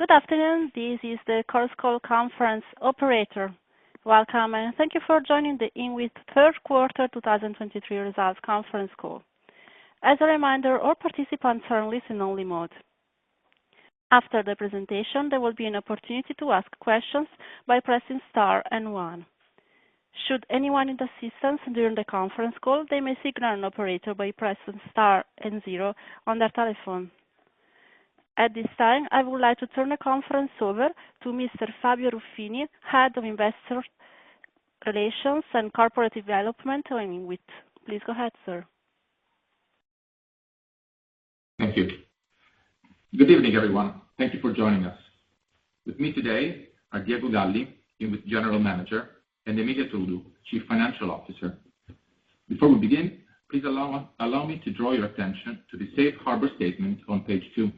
Good afternoon. This is the Chorus Call conference operator. Welcome, and thank you for joining the INWIT third quarter 2023 results conference call. As a reminder, all participants are in listen-only mode. After the presentation, there will be an opportunity to ask questions by pressing star and one. Should anyone need assistance during the conference call, they may signal an operator by pressing star and zero on their telephone. At this time, I would like to turn the conference over to Mr. Fabio Ruffini, Head of Investor Relations and Corporate Development at INWIT. Please go ahead, sir. Thank you. Good evening, everyone. Thank you for joining us. With me today are Diego Galli, INWIT General Manager, and Emilia Trudu, Chief Financial Officer. Before we begin, please allow me to draw your attention to the safe harbor statement on page two.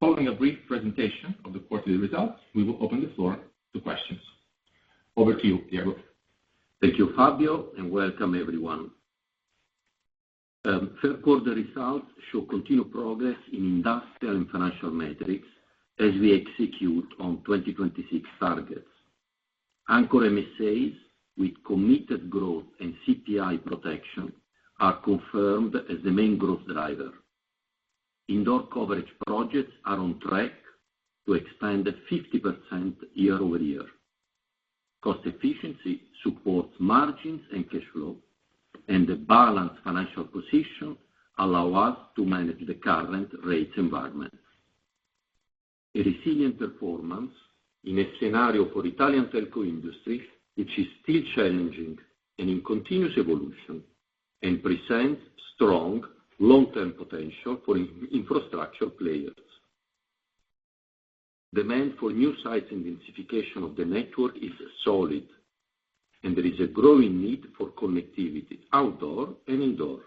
Following a brief presentation of the quarterly results, we will open the floor to questions. Over to you, Diego. Thank you, Fabio, and welcome everyone. Third quarter results show continued progress in industrial and financial metrics as we execute on 2026 targets. Anchor MSAs with committed growth and CPI protection are confirmed as the main growth driver. Indoor coverage projects are on track to expand 50% year-over-year. Cost efficiency supports margins and cash flow, and a balanced financial position allow us to manage the current rate environment. A resilient performance in a scenario for Italian telco industry, which is still challenging and in continuous evolution, and presents strong long-term potential for infrastructure players. Demand for new sites and densification of the network is solid, and there is a growing need for connectivity, outdoor and indoor.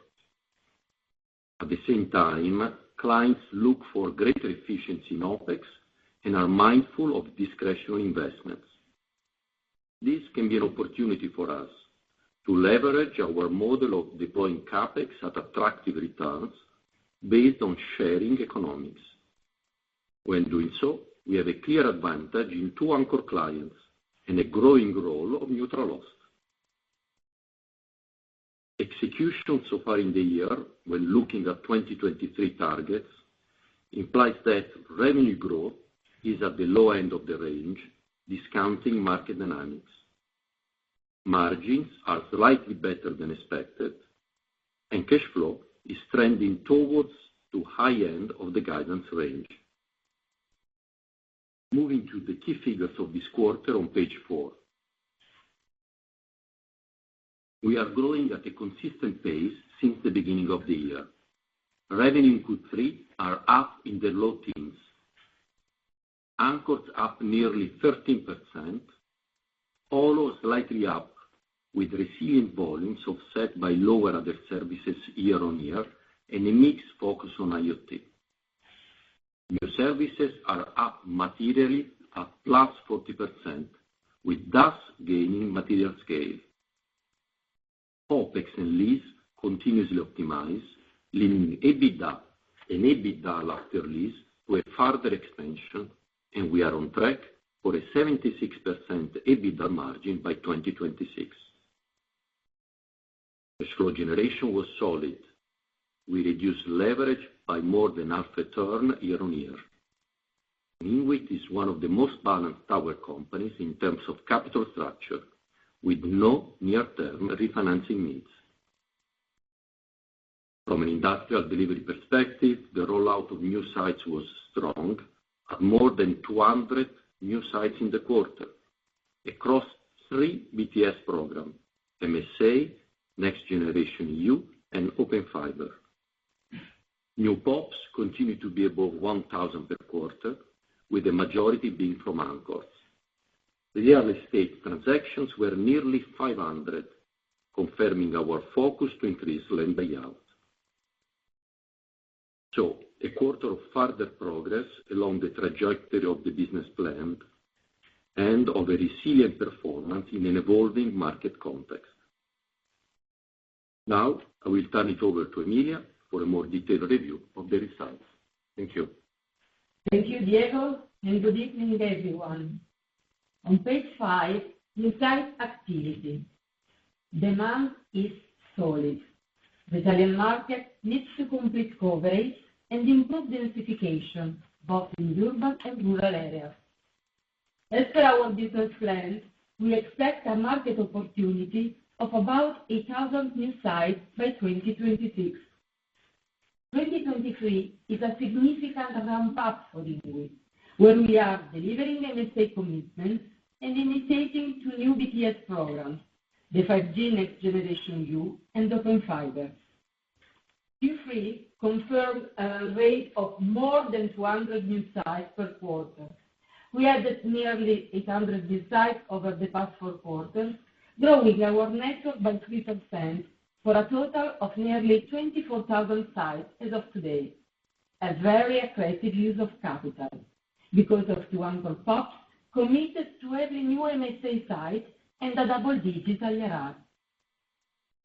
At the same time, clients look for greater efficiency in OpEx and are mindful of discretionary investments. This can be an opportunity for us to leverage our model of deploying CapEx at attractive returns based on sharing economics. When doing so, we have a clear advantage in two anchor clients and a growing role of Neutral Host. Execution so far in the year, when looking at 2023 targets, implies that revenue growth is at the low end of the range, discounting market dynamics. Margins are slightly better than expected, and cash flow is trending towards the high end of the guidance range. Moving to the key figures of this quarter on page four. We are growing at a consistent pace since the beginning of the year. Revenue in Q3 are up in the low teens. Anchors up nearly 13%, although slightly up, with leasing volumes offset by lower other services year-over-year, and a mixed focus on IoT. New services are up materially at +40%, with thus gaining material scale. OpEx and lease continuously optimize, leading EBITDA and EBITDA after lease to a further expansion, and we are on track for a 76% EBITDA margin by 2026. Cash flow generation was solid. We reduced leverage by more than half a turn year-over-year. INWIT is one of the most balanced tower companies in terms of capital structure, with no near-term refinancing needs. From an industrial delivery perspective, the rollout of new sites was strong at more than 200 new sites in the quarter across three BTS programs: MSA, Next Generation EU, and Open Fiber. New POPs continue to be above 1,000 per quarter, with the majority being from anchors. The real estate transactions were nearly 500, confirming our focus to increase land buyout. So a quarter of further progress along the trajectory of the business plan and of a resilient performance in an evolving market context. Now, I will turn it over to Emilia for a more detailed review of the results. Thank you. Thank you, Diego, and good evening, everyone. On page five, new site activity. Demand is solid. The Italian market needs to complete coverage and improve densification, both in urban and rural areas. As per our business plan, we expect a market opportunity of about 1,000 new sites by 2026. 2023 is a significant ramp-up for the group, where we are delivering MSA commitments and initiating two new BTS programs, the 5G Next Generation EU and Open Fiber. Q3 confirmed a rate of more than 200 new sites per quarter. We added nearly 800 new sites over the past 4 quarters, growing our network by 3%, for a total of nearly 24,000 sites as of today. A very aggressive use of capital because of the anchor POPs committed to every new MSA site and a double-digit IRR....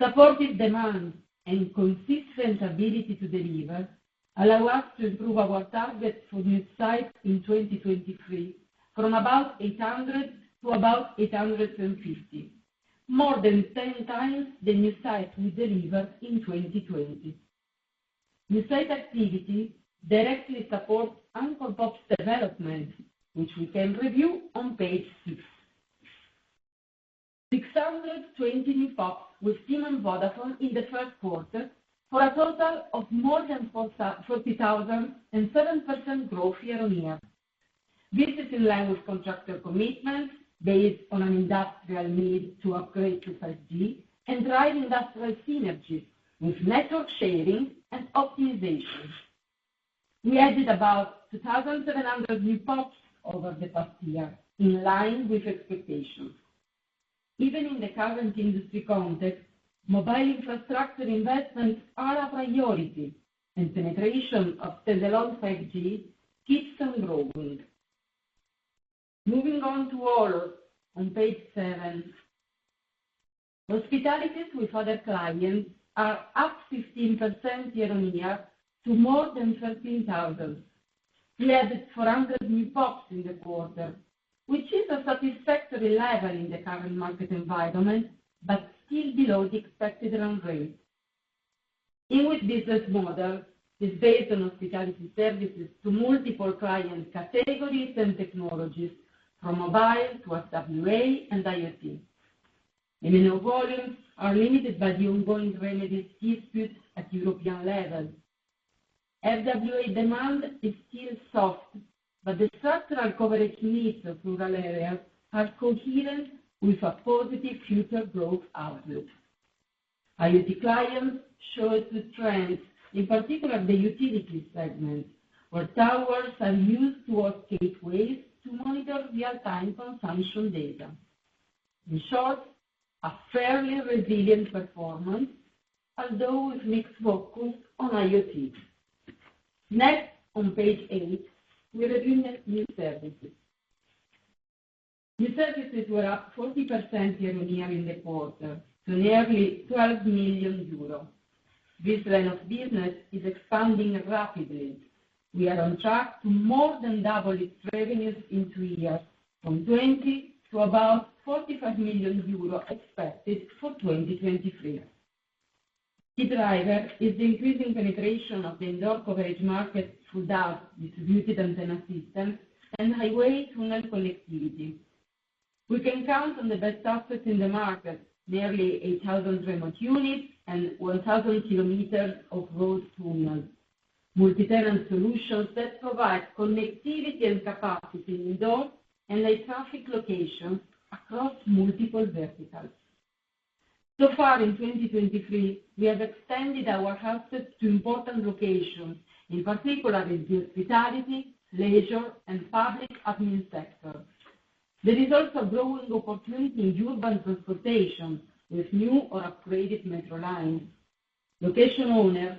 Supportive demand and consistent ability to deliver allow us to improve our target for new sites in 2023, from about 800 to about 850, more than 10x the new sites we delivered in 2020. New site activity directly supports anchor POPs development, which we can review on page six. 620 new POPs were seen on Vodafone in the first quarter, for a total of more than 40,000 and 7% growth year-on-year. This is in line with contractor commitments based on an industrial need to upgrade to 5G and drive industrial synergies with network sharing and optimization. We added about 2,700 new POPs over the past year, in line with expectations. Even in the current industry context, mobile infrastructure investments are a priority, and penetration of standalone 5G keeps on growing. Moving on to all, on page seven. Hospitalities with other clients are up 15% year-on-year to more than 13,000. We added 400 new POPs in the quarter, which is a satisfactory level in the current market environment, but still below the expected run rate. INWIT business model is based on hospitality services to multiple client categories and technologies, from mobile to FWA and IoT. MNO volumes are limited by the ongoing regulatory disputes at European level. FWA demand is still soft, but the structural coverage needs of rural areas are coherent with a positive future growth outlook. IoT clients show good trends, in particular the utility segment, where towers are used as gateways to monitor real-time consumption data. In short, a fairly resilient performance, although with mixed focus on IoT. Next, on page eight, we review new services. New services were up 40% year-on-year in the quarter to nearly 12 million euros. This line of business is expanding rapidly. We are on track to more than double its revenues in two years, from 20 million to about 45 million euro expected for 2023. The driver is the increasing penetration of the indoor coverage market through DAS, Distributed Antenna System, and highway tunnel connectivity. We can count on the best assets in the market, nearly 8,000 remote units and 1,000 km of road tunnels. Multi-tenant solutions that provide connectivity and capacity in indoor and light traffic locations across multiple verticals. So far in 2023, we have extended our access to important locations, in particular in the hospitality, leisure, and public admin sector. There is also growing opportunity in urban transportation, with new or upgraded metro lines. Location owners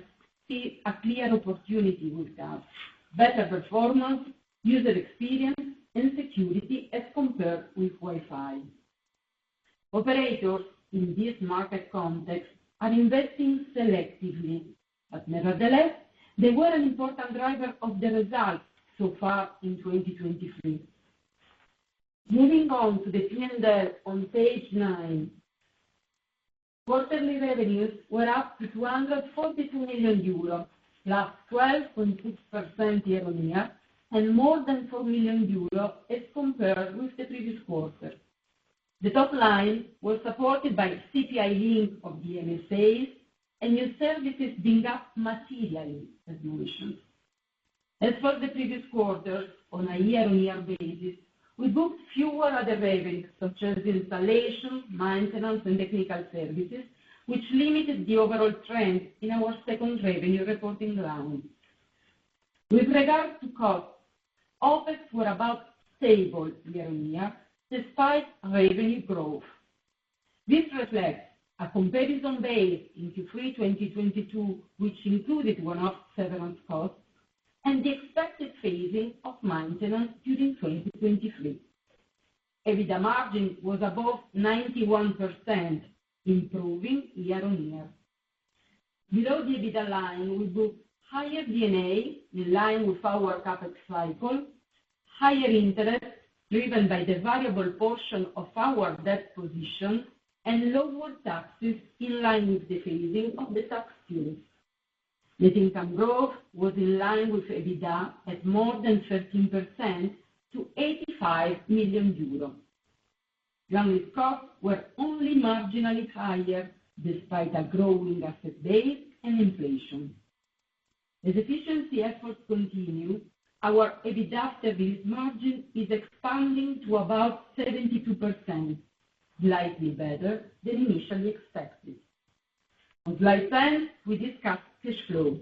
see a clear opportunity with us, better performance, user experience, and security as compared with Wi-Fi. Operators in this market context are investing selectively, but nevertheless, they were an important driver of the results so far in 2023. Moving on to the P&L on page nine. Quarterly revenues were up to 242 million euros, +12.6% year-on-year, and more than 4 million euros as compared with the previous quarter. The top line was supported by CPI link of MSA sales and new services being up materially, as you wish. As for the previous quarter, on a year-on-year basis, we booked fewer other revenues, such as installation, maintenance, and technical services, which limited the overall trend in our second revenue reporting round. With regards to costs, OpEx were about stable year-on-year, despite revenue growth. This reflects a comparison base in Q3 2022, which included one-off severance costs and the expected phasing of maintenance during 2023. EBITDA margin was above 91%, improving year-on-year. Below the EBITDA line, we book higher D&A, in line with our CapEx cycle, higher interest driven by the variable portion of our debt position, and lower taxes in line with the phasing of the tax loss. Net income growth was in line with EBITDA at more than 13% to 85 million euros. General costs were only marginally higher, despite a growing asset base and inflation. As efficiency efforts continue, our EBITDA service margin is expanding to about 72%, slightly better than initially expected. On Slide 10, we discuss cash flow.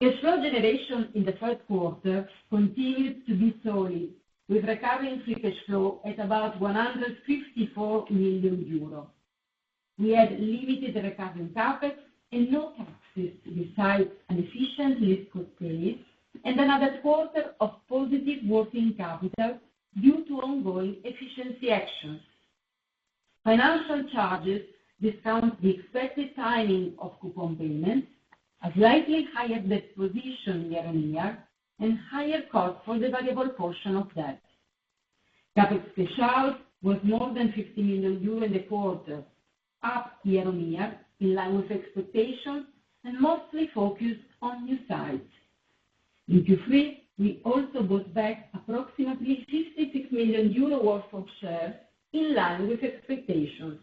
Cash flow generation in the first quarter continued to be solid, with recovering free cash flow at about 154 million euros. We had limited recurring CapEx and low taxes, besides an efficient lease-up base, and another quarter of positive working capital due to ongoing efficiency actions. Financial charges discount the expected timing of coupon payments, a slightly higher debt position year-on-year, and higher cost for the variable portion of debt. CapEx cash out was more than 50 million in the quarter, up year-on-year, in line with expectations, and mostly focused on new sites. In Q3, we also bought back approximately 66 million euro worth of shares, in line with expectations.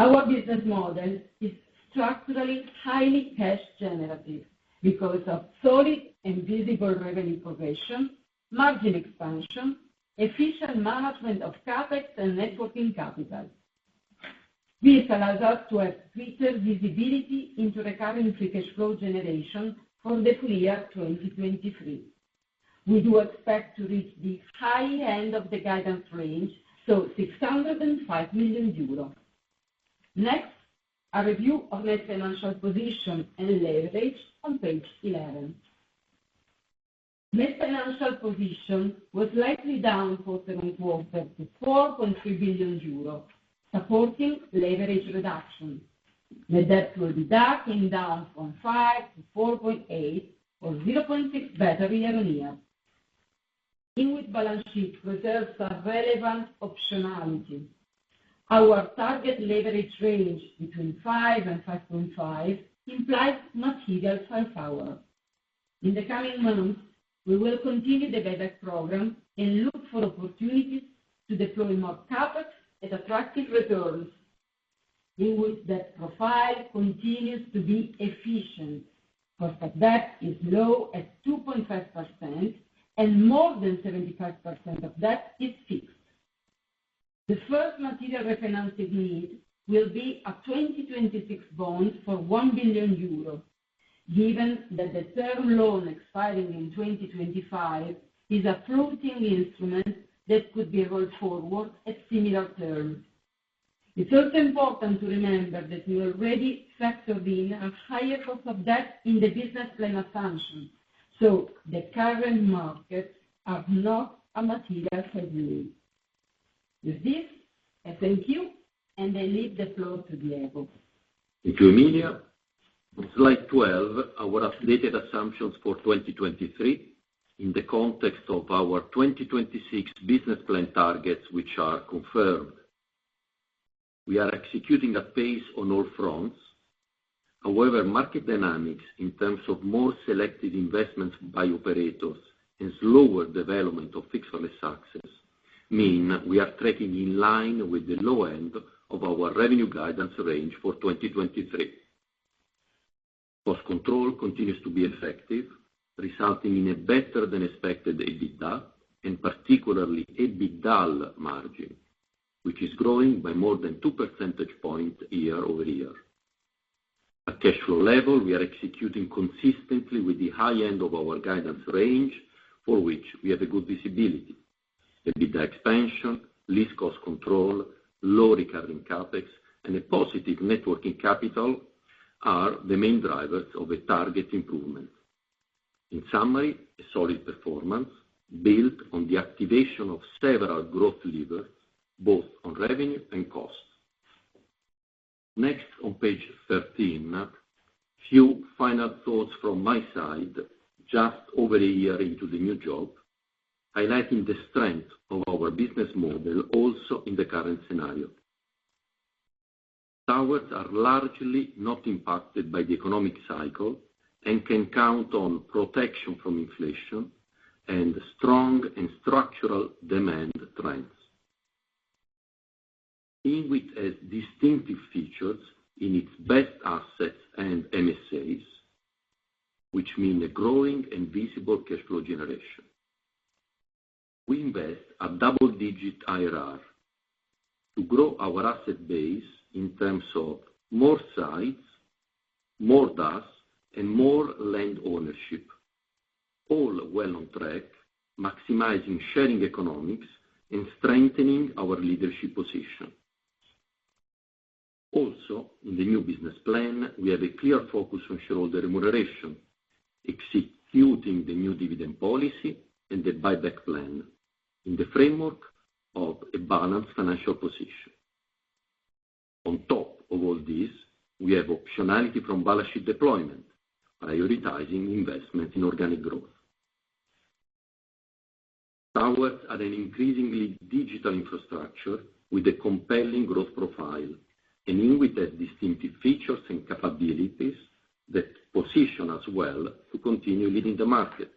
Our business model is structurally highly cash generative because of solid and visible revenue progression, margin expansion, efficient management of CapEx and net working capital. This allows us to have greater visibility into recurring free cash flow generation from the full year 2023. We do expect to reach the high end of the guidance range, so 605 million euros. Next, a review of net financial position and leverage on Page 11. Net financial position was slightly down quarter-on-quarter to EUR 4.3 billion, supporting leverage reduction. Net debt to EBITDA came down from 5 to 4.8, or 0.6 better year-on-year. INWIT balance sheet reserves are relevant optionality. Our target leverage range between 5 and 5.5 implies material firepower. In the coming months, we will continue the buyback program and look for opportunities to deploy more CapEx at attractive returns. INWIT debt profile continues to be efficient. Cost of debt is low at 2.5%, and more than 75% of debt is fixed. The first material refinancing need will be a 2026 bond for 1 billion euros, given that the term loan expiring in 2025 is a floating instrument that could be rolled forward at similar terms. It's also important to remember that we already factored in a higher cost of debt in the business plan assumption, so the current markets are not a material headwind. With this, I thank you, and I leave the floor to Diego. Thank you, Emilia. On Slide 12, our updated assumptions for 2023 in the context of our 2026 business plan targets, which are confirmed. We are executing at pace on all fronts. However, market dynamics in terms of more selected investments by operators and slower development of fixed wireless access mean we are tracking in line with the low end of our revenue guidance range for 2023. Cost control continues to be effective, resulting in a better-than-expected EBITDA, and particularly, EBITDA margin, which is growing by more than 2 percentage points year-over-year. At cash flow level, we are executing consistently with the high end of our guidance range, for which we have a good visibility. EBITDA expansion, lease cost control, low recurring CapEx, and a positive net working capital are the main drivers of a target improvement. In summary, a solid performance built on the activation of several growth levers, both on revenue and costs. Next, on Page 13, a few final thoughts from my side, just over a year into the new job, highlighting the strength of our business model also in the current scenario. Towers are largely not impacted by the economic cycle and can count on protection from inflation and strong and structural demand trends. INWIT has distinctive features in its best assets and MSAs, which mean a growing and visible cash flow generation. We invest a double-digit IRR to grow our asset base in terms of more sites, more DAS, and more land ownership, all well on track, maximizing sharing economics and strengthening our leadership position. Also, in the new business plan, we have a clear focus on shareholder remuneration, executing the new dividend policy and the buyback plan in the framework of a balanced financial position. On top of all this, we have optionality from balance sheet deployment, prioritizing investment in organic growth. Towers are an increasingly digital infrastructure with a compelling growth profile, and INWIT has distinctive features and capabilities that position us well to continue leading the market.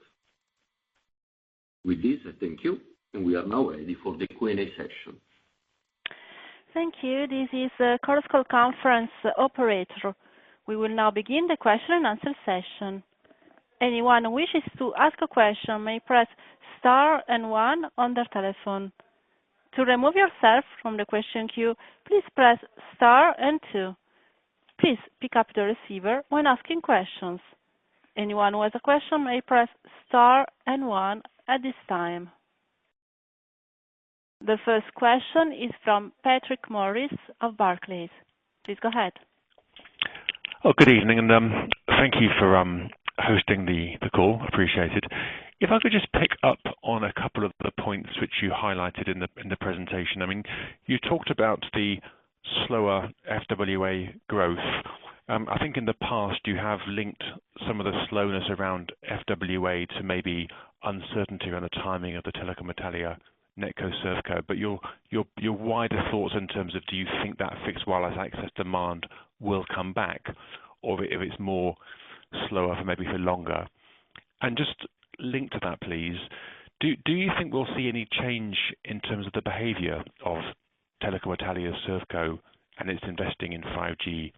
With this, I thank you, and we are now ready for the Q&A session. Thank you. This is the Chorus Call conference operator. We will now begin the question and answer session. Anyone who wishes to ask a question may press Star and One on their telephone. To remove yourself from the question queue, please press Star and Two. Please pick up the receiver when asking questions. Anyone who has a question may press Star and One at this time.... The first question is from Patrick Maurice of Barclays. Please go ahead. Well, good evening, and thank you for hosting the call. Appreciate it. If I could just pick up on a couple of the points which you highlighted in the presentation. I mean, you talked about the slower FWA growth. I think in the past, you have linked some of the slowness around FWA to maybe uncertainty around the timing of the Telecom Italia, NetCo, ServCo, but your wider thoughts in terms of do you think that fixed wireless access demand will come back, or if it's more slower for longer? And just linked to that, please, do you think we'll see any change in terms of the behavior of Telecom Italia, ServCo, and its investing in 5G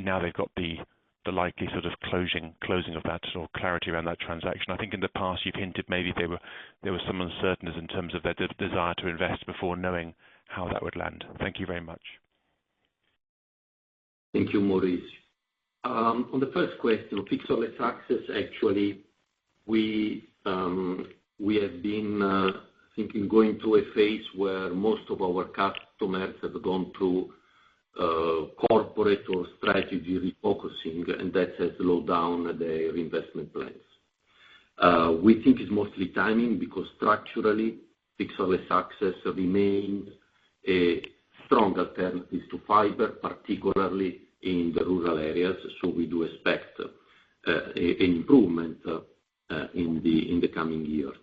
now they've got the likely sort of closing of that sort of clarity around that transaction? I think in the past, you've hinted maybe there were, there was some uncertainness in terms of their desire to invest before knowing how that would land. Thank you very much. Thank you, Morris. On the first question, fixed wireless access, actually, we, we have been thinking going through a phase where most of our customers have gone through corporate or strategy refocusing, and that has slowed down their investment plans. We think it's mostly timing because structurally, fixed wireless success remains a stronger alternative to fiber, particularly in the rural areas, so we do expect an improvement in the coming years.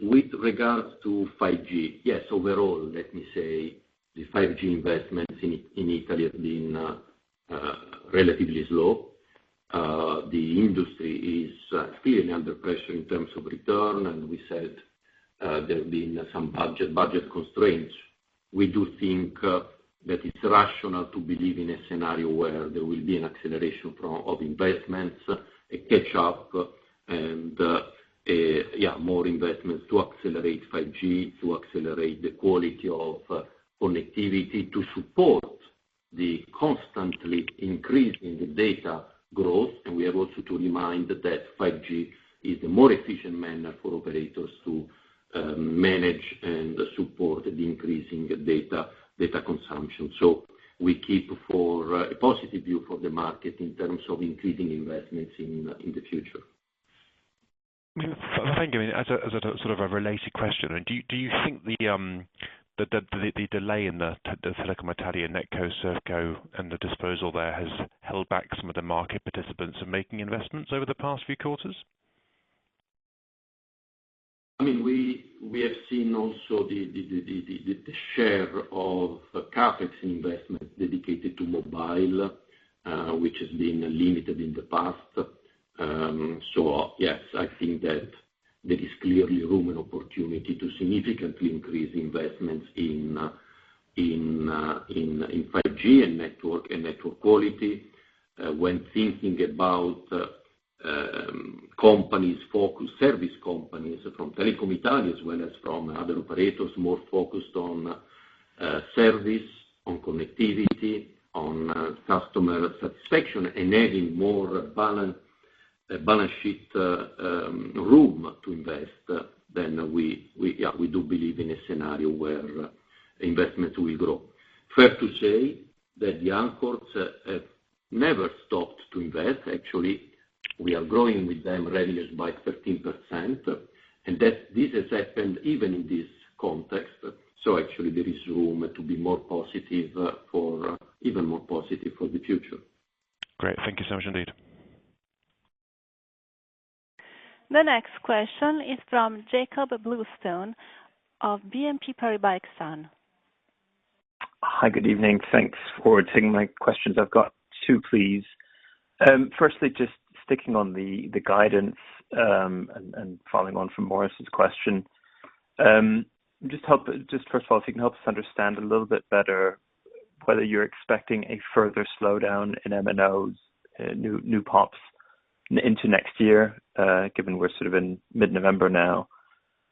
With regards to 5G, yes, overall, let me say the 5G investments in Italy have been relatively slow. The industry is clearly under pressure in terms of return, and we said there have been some budget constraints. We do think that it's rational to believe in a scenario where there will be an acceleration from, of investments, a catch up, and, yeah, more investments to accelerate 5G, to accelerate the quality of, connectivity to support the constantly increase in the data growth. We have also to remind that 5G is a more efficient manner for operators to, manage and support the increasing data, data consumption. We keep for a positive view for the market in terms of increasing investments in, in the future. Thank you. As a sort of a related question, do you think the delay in the Telecom Italia NetCo, ServCo, and the disposal there has held back some of the market participants in making investments over the past few quarters? I mean, we have seen also the share of CapEx investment dedicated to mobile, which has been limited in the past. So yes, I think that there is clearly room and opportunity to significantly increase investments in 5G and network, and network quality. When thinking about companies focus, service companies from Telecom Italia, as well as from other operators, more focused on service, on connectivity, on customer satisfaction, and adding more balance sheet room to invest, then we, yeah, we do believe in a scenario where investments will grow. Fair to say that the anchors have never stopped to invest. Actually, we are growing with them revenues by 13%, and that this has happened even in this context. So actually, there is room to be even more positive for the future. Great. Thank you so much indeed. The next question is from Jacob Bluestone of BNP Paribas Exane. Hi, good evening. Thanks for taking my questions. I've got two, please. Firstly, just sticking on the guidance, and following on from Morris's question, first of all, if you can help us understand a little bit better whether you're expecting a further slowdown in MNO's new POPs into next year, given we're sort of in mid-November now,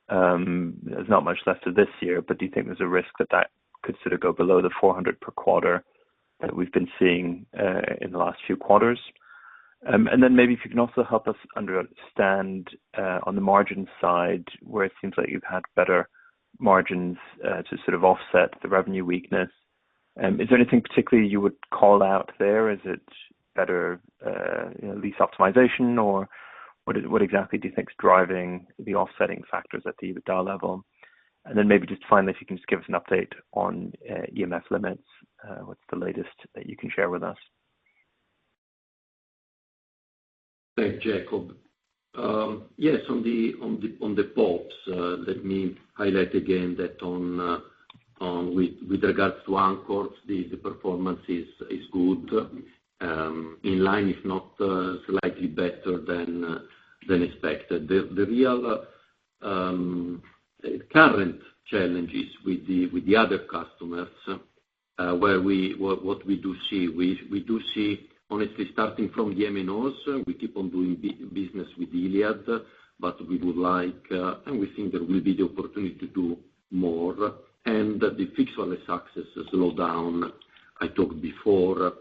there's not much left to this year, but do you think there's a risk that that could sort of go below the 400 per quarter that we've been seeing in the last few quarters? And then maybe if you can also help us understand on the margin side, where it seems like you've had better margins to sort of offset the revenue weakness. Is there anything particularly you would call out there? Is it better, lease optimization, or what, what exactly do you think is driving the offsetting factors at the EBITDA level? And then maybe just finally, if you can just give us an update on, EMF limits, what's the latest that you can share with us? Thanks, Jacob. Yes, on the POPs, let me highlight again that with regards to anchors, the performance is good, in line, if not slightly better than expected. The real current challenges with the other customers, where we—what we do see, we do see, honestly, starting from the MNOs, we keep on doing business with Iliad, but we would like and we think there will be the opportunity to do more, and the fixed wireless success has slowed down. I talked before,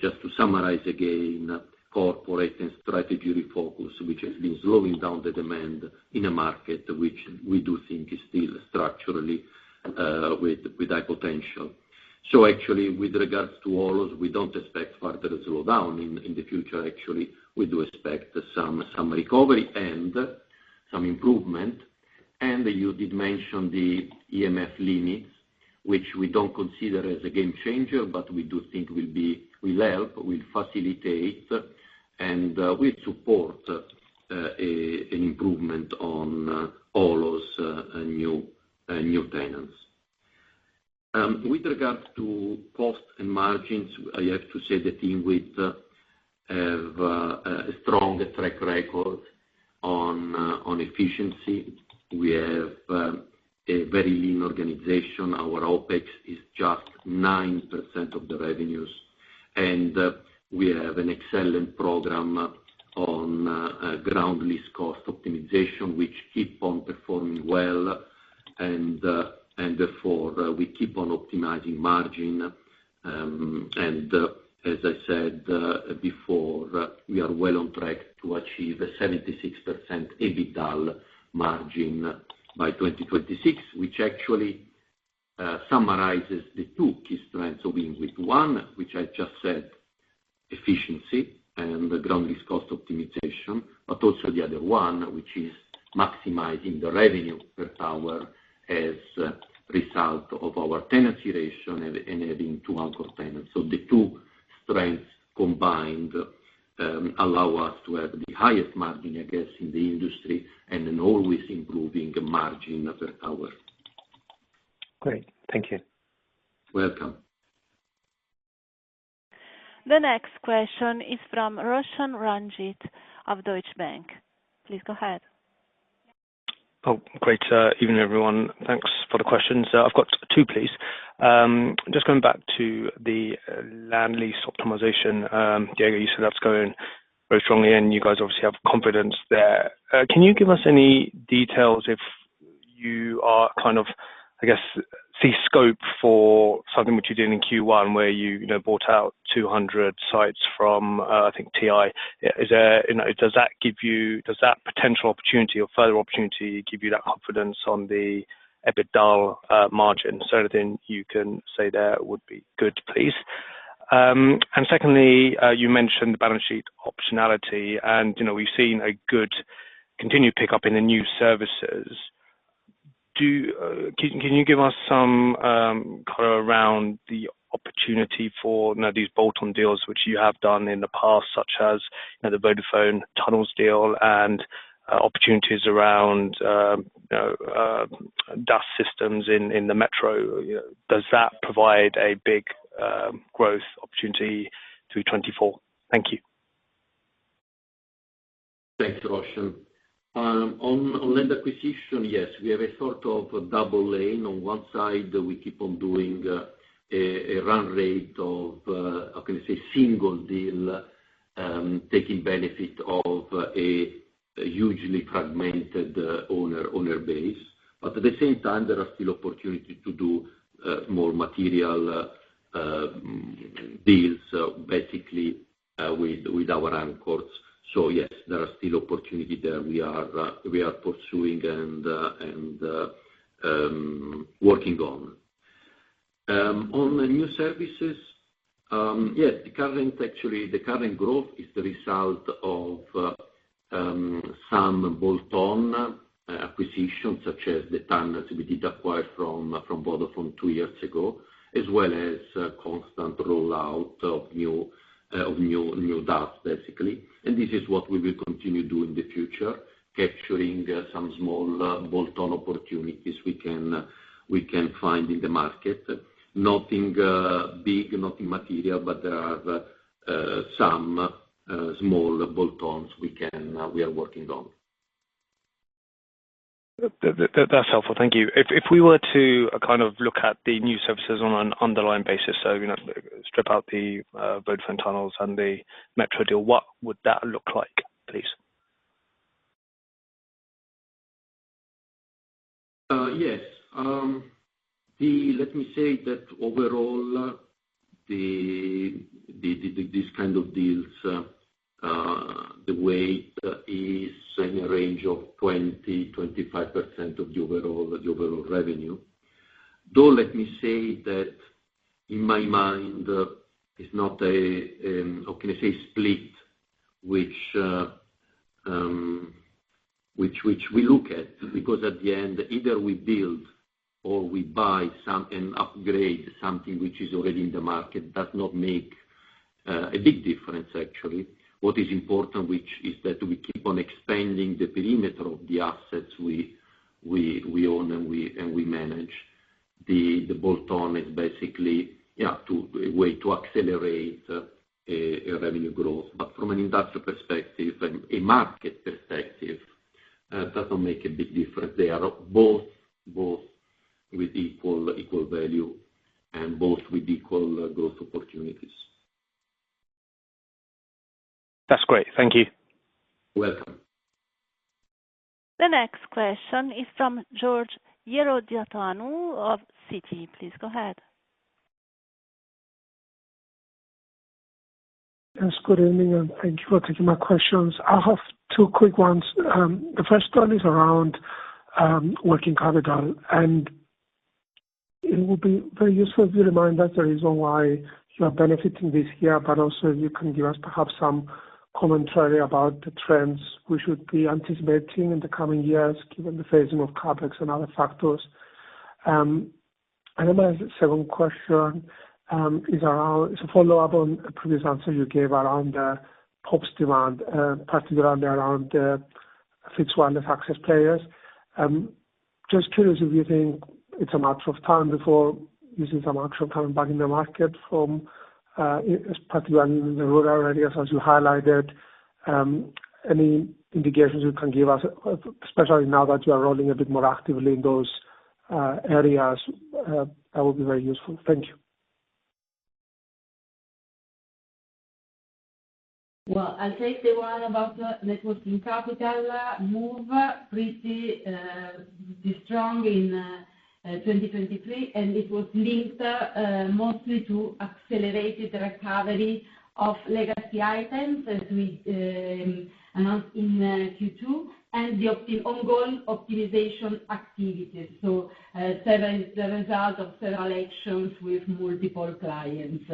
just to summarize again, corporate and strategy refocus, which has been slowing down the demand in a market, which we do think is still structurally with high potential. So actually, with regards to all, we don't expect further slowdown in the future. Actually, we do expect some recovery and some improvement. And you did mention the EMF limits, which we don't consider as a game changer, but we do think will be, will help, will facilitate, and will support an improvement on all those new tenants. With regards to cost and margins, I have to say the team have a strong track record on efficiency. We have a very lean organization. Our OpEx is just 9% of the revenues, and we have an excellent program on ground lease cost optimization, which keep on performing well, and therefore, we keep on optimizing margin. And as I said, before, we are well on track to achieve a 76% EBITDA margin by 2026, which actually summarizes the two key strengths of INWIT. One, which I just said, efficiency and the ground lease cost optimization, but also the other one, which is maximizing the revenue per tower as a result of our tenant duration and adding to anchor tenants. So the two strengths combined allow us to have the highest margin, I guess, in the industry and an always improving margin per tower. Great, thank you. Welcome. The next question is from Roshan Ranjit of Deutsche Bank. Please go ahead. Oh, great evening, everyone. Thanks for the questions. I've got two, please. Just going back to the land lease optimization, Diego, you said that's going very strongly, and you guys obviously have confidence there. Can you give us any details if you are kind of, I guess, see scope for something which you did in Q1, where you, you know, bought out 200 sites from, I think, TI? Is, you know, does that give you-- does that potential opportunity or further opportunity give you that confidence on the EBITDA margin? So anything you can say there would be good, please. And secondly, you mentioned the balance sheet optionality, and, you know, we've seen a good continued pickup in the new services. Can you give us some color around the opportunity for, you know, these bolt-on deals which you have done in the past, such as, you know, the Vodafone towers deal and opportunities around, you know, DAS systems in the metro, you know, does that provide a big growth opportunity through 2024? Thank you. Thanks, Roshan. On land acquisition, yes, we have a sort of double lane. On one side, we keep on doing a run rate of, how can I say, single deal, taking benefit of a hugely fragmented owner base. But at the same time, there are still opportunity to do more material deals, basically, with our anchors. So, yes, there are still opportunity there. We are pursuing and working on. On the new services, yes, actually, the current growth is the result of some bolt-on acquisitions, such as the tunnels we did acquire from Vodafone two years ago, as well as constant rollout of new DAS, basically. This is what we will continue to do in the future, capturing some small bolt-on opportunities we can find in the market. Nothing big, nothing material, but there are some small bolt-ons we are working on. That's helpful. Thank you. If we were to kind of look at the new services on an underlying basis, so, you know, strip out the Vodafone towers and the metro deal, what would that look like, please? Yes. Let me say that overall, this kind of deals, the weight is in a range of 20%-25% of the overall revenue. Though, let me say that in my mind, it's not a, how can I say, split, which we look at, because at the end, either we build or we buy some and upgrade something which is already in the market, does not make a big difference, actually. What is important, which is that we keep on expanding the perimeter of the assets we own and we manage. The bolt-on is basically, yeah, to a way to accelerate a revenue growth. But from an industrial perspective and a market perspective, it doesn't make a big difference. They are both with equal value and both with equal growth opportunities. ... That's great. Thank you. Welcome. The next question is from Georgios Lerodiaconou of Citi. Please go ahead. Yes, good evening, and thank you for taking my questions. I have two quick ones. The first one is around working capital, and it would be very useful if you remind us the reason why you are benefiting this year, but also you can give us perhaps some commentary about the trends we should be anticipating in the coming years, given the phasing of CapEx and other factors. And then my second question is around, is a follow-up on a previous answer you gave around the POPs demand, particularly around fixed wireless access players. Just curious if you think it's a matter of time before we see some actual coming back in the market from, especially around in the rural areas, as you highlighted. Any indications you can give us, especially now that you are rolling a bit more actively in those areas, that would be very useful. Thank you. Well, I'll take the one about net working capital. It moved pretty strong in 2023, and it was linked mostly to accelerated recovery of legacy items, as we announced in Q2, and the ongoing optimization activities. So, the result of several actions with multiple clients.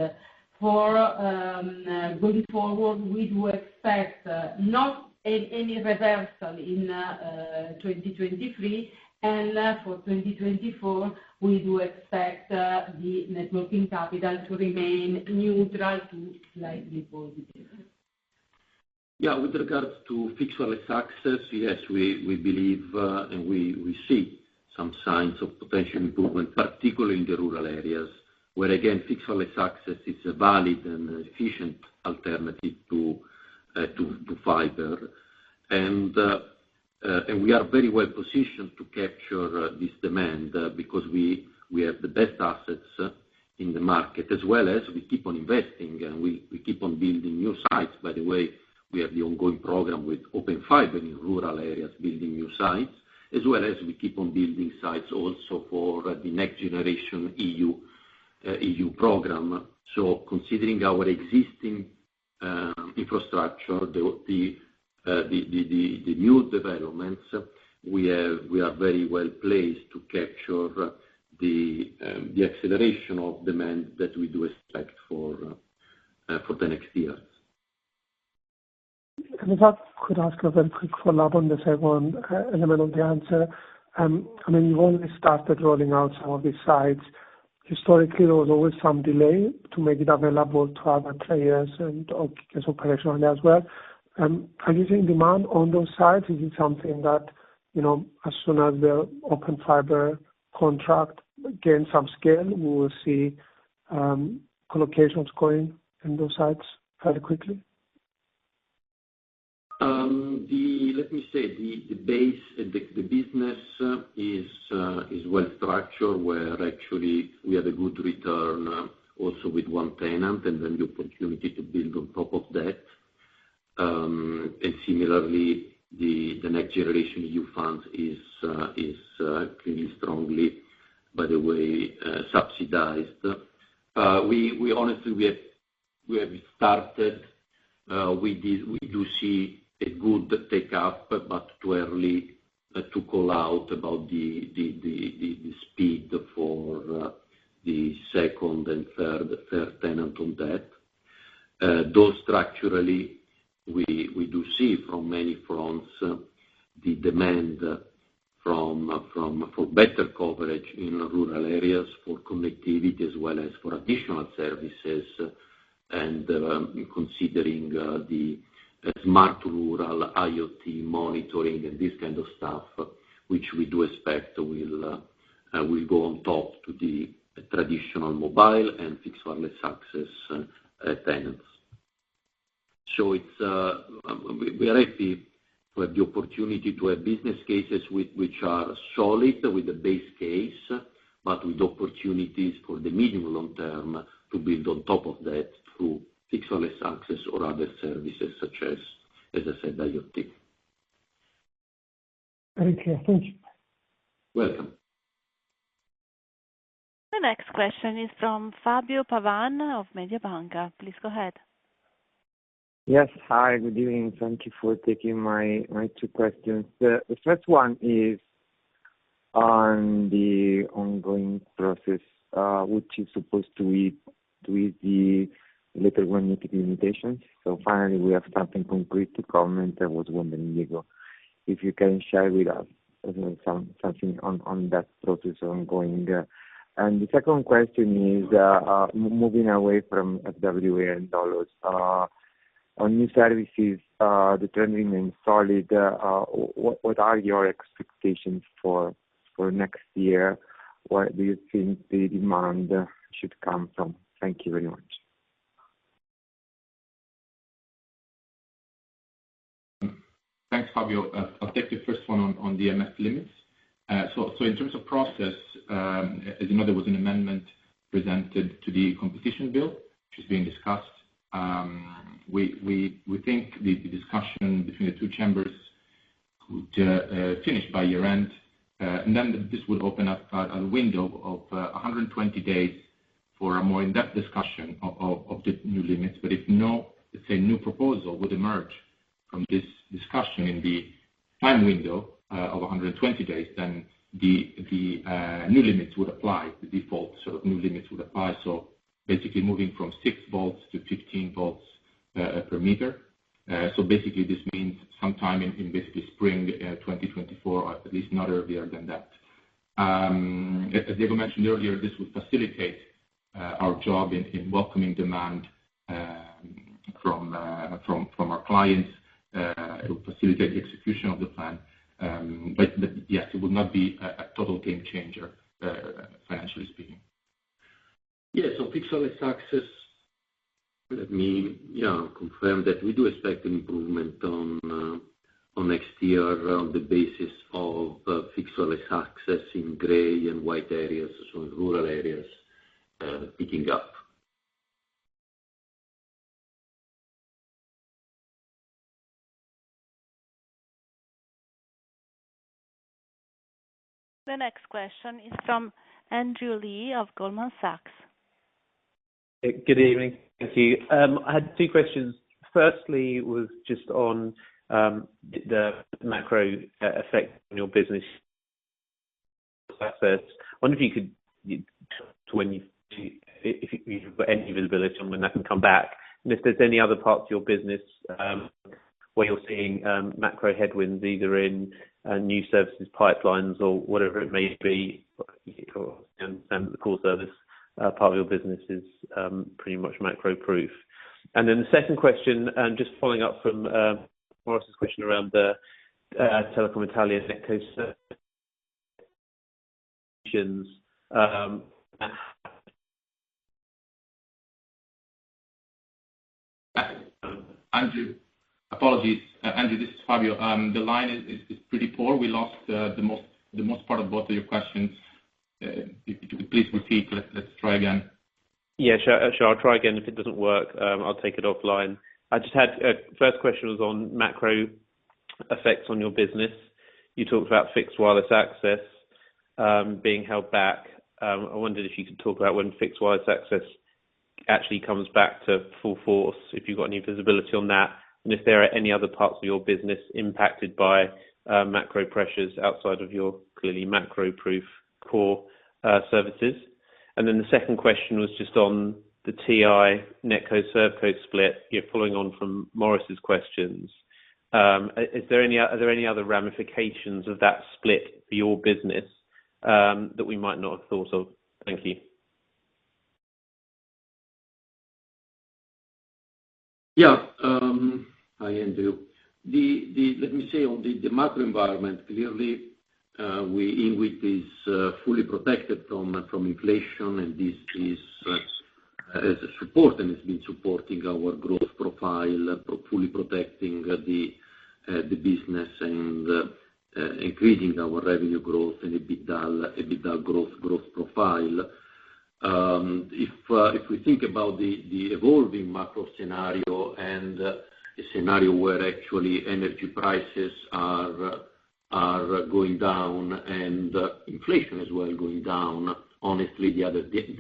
Going forward, we do expect not any reversal in 2023, and for 2024, we do expect the net working capital to remain neutral to slightly positive. Yeah, with regards to fixed wireless access, yes, we believe and we see some signs of potential improvement, particularly in the rural areas, where, again, fixed wireless access is a valid and efficient alternative to fiber. And we are very well positioned to capture this demand because we have the best assets in the market, as well as we keep on investing, and we keep on building new sites. By the way, we have the ongoing program with Open Fiber in rural areas, building new sites, as well as we keep on building sites also for the Next Generation EU program. So considering our existing infrastructure, the new developments, we are very well placed to capture the acceleration of demand that we do expect for the next years. If I could ask a very quick follow-up on the second element of the answer. I mean, you've only started rolling out some of these sites. Historically, there was always some delay to make it available to other players and as operational as well. Are you seeing demand on those sites? Is it something that, you know, as soon as the Open Fiber contract gains some scale, we will see collocations going in those sites very quickly? The business is well structured, where actually we have a good return, also with one tenant, and then the opportunity to build on top of that. And similarly, the Next Generation EU fund is pretty strongly, by the way, subsidized. We honestly, we have started, we do see a good take up, but too early to call out about the speed for the second and third tenant on that. Though structurally, we do see from many fronts the demand for better coverage in rural areas, for connectivity, as well as for additional services, and considering the smart rural IoT monitoring and this kind of stuff, which we do expect will go on top to the traditional mobile and fixed wireless access tenants. So it's we are happy to have the opportunity to have business cases which are solid with the base case, but with opportunities for the medium long term to build on top of that through fixed wireless access or other services such as, as I said, IoT. Very clear. Thank you. Welcome. The next question is from Fabio Pavan of Mediobanca. Please go ahead. Yes. Hi, good evening. Thank you for taking my two questions. The first one is on the ongoing process, which is supposed to be with the Limits on limitations. So finally, we have something concrete to comment. I was wondering, Diego, if you can share with us something on that process ongoing. And the second question is moving away from ARPU dollars. On new services, the trend in silos, what are your expectations for next year? Where do you think the demand should come from? Thank you very much.... Thanks, Fabio. I'll take the first one on the EMF limits. So in terms of process, as you know, there was an amendment presented to the competition bill, which is being discussed. We think the discussion between the two chambers would finish by year-end, and then this would open up a window of 120 days for a more in-depth discussion of the new limits. But if no, let's say, new proposal would emerge from this discussion in the time window of 120 days, then the new limits would apply, the default, sort of, new limits would apply. So basically moving from 6 volts to 15 volts per meter. So basically this means sometime in basically spring 2024, or at least not earlier than that. As Diego mentioned earlier, this would facilitate our job in welcoming demand from our clients. It will facilitate the execution of the plan, but yes, it would not be a total game changer, financially speaking. Yeah, so fixed wireless access, let me, yeah, confirm that we do expect an improvement on next year on the basis of fixed wireless access in gray and white areas, so in rural areas, picking up. The next question is from Andrew Lee of Goldman Sachs. Good evening. Thank you. I had two questions. Firstly, was just on the macro effect on your business. First, I wonder if you could, if you've got any visibility on when that can come back, and if there's any other parts of your business, where you're seeing, macro headwinds, either in, new services, pipelines or whatever it may be, and the core service, part of your business is, pretty much macro proof. And then the second question, and just following up from, Morris's question around the, Telecom Italia NetCo, Andrew, apologies. Andrew, this is Fabio. The line is pretty poor. We lost the most part of both of your questions. If you could please repeat, let's try again. Yeah, sure. Sure. I'll try again. If it doesn't work, I'll take it offline. I just had first question was on macro effects on your business. You talked about fixed wireless access, being held back. I wondered if you could talk about when fixed wireless access actually comes back to full force, if you've got any visibility on that, and if there are any other parts of your business impacted by, macro pressures outside of your clearly macro proof core, services. And then the second question was just on the TI NetCo/ServCo split, yeah, following on from Morris's questions. Is there any, are there any other ramifications of that split for your business, that we might not have thought of? Thank you. Yeah, hi, Andrew. Let me say on the macro environment, clearly, we, INWIT is fully protected from inflation, and this is as a support, and it's been supporting our growth profile, fully protecting the business and increasing our revenue growth and EBITDA growth profile. If we think about the evolving macro scenario and a scenario where actually energy prices are going down and inflation as well going down, honestly, there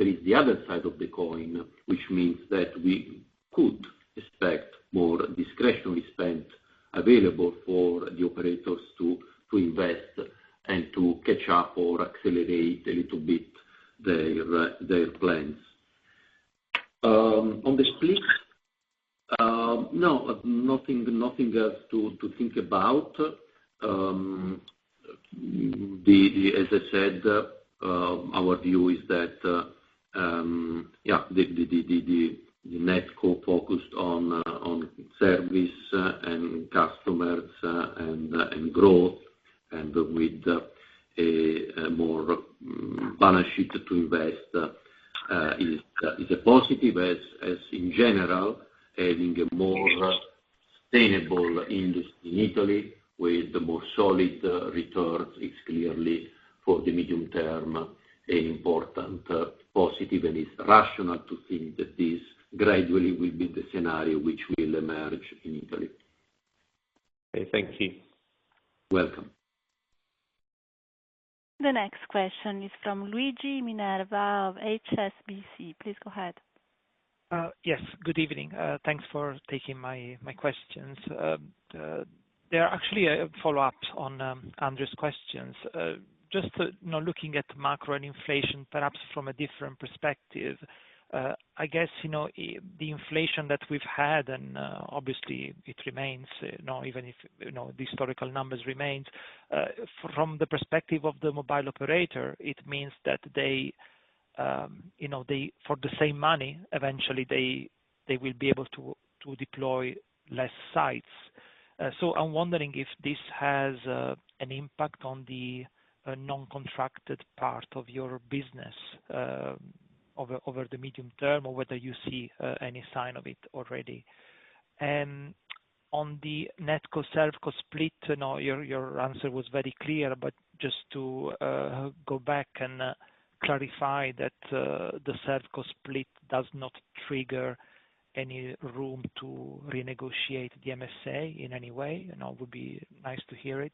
is the other side of the coin, which means that we could expect more discretionary spend available for the operators to invest and to catch up or accelerate a little bit their plans. On the split, no, nothing else to think about. As I said, our view is that the NetCo focused on service and customers and growth, and with a more balance sheet to invest, is a positive, as in general, having a more sustainable industry in Italy with the more solid returns, is clearly, for the medium term, an important positive, and it's rational to think that this gradually will be the scenario which will emerge in Italy. Okay, thank you. Welcome. The next question is from Luigi Minerva of HSBC. Please go ahead. Yes, good evening. Thanks for taking my questions. They are actually follow-ups on Andrew's questions. Just, you know, looking at macro and inflation, perhaps from a different perspective, I guess, you know, the inflation that we've had, and, obviously it remains, you know, even if, you know, the historical numbers remains. From the perspective of the mobile operator, it means that they, you know, they, for the same money, eventually, they, they will be able to, to deploy less sites. So I'm wondering if this has an impact on the non-contracted part of your business over the medium term, or whether you see any sign of it already? And on the NetCo, ServCo split, I know your answer was very clear, but just to go back and clarify that the ServCo split does not trigger any room to renegotiate the MSA in any way? You know, it would be nice to hear it.